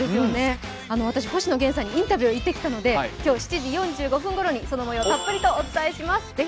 私、星野源さんにインタビュー行ってきたので今日７時４５分ごろに、そのもようをたっぷりとお伝えします。